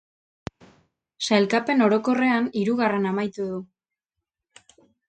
Sailkapen orokorrean hirugarren amaitu du.